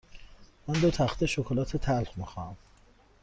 من دو تخته شکلات تلخ می خواهم.